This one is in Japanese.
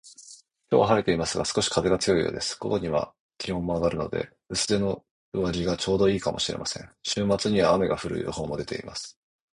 今日は晴れていますが、少し風が強いようです。午後には気温も上がるので、薄手の上着がちょうど良いかもしれません。週末には雨が降る予報も出ています